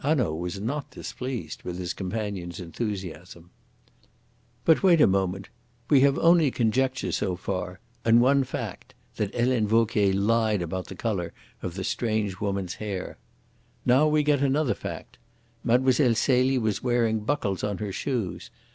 Hanaud was not displeased with his companion's enthusiasm. "But wait a moment. We have only conjectures so far, and one fact that Helene Vauquier lied about the colour of the strange woman's hair. Now we get another fact. Mlle. Celie was wearing buckles on her shoes.